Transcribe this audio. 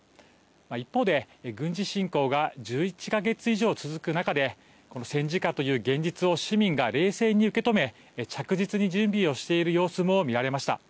一方で、軍事侵攻が１１か月以上続く中で戦時下という現実を市民が冷静に受け止め着実に準備をしている様子も見られました。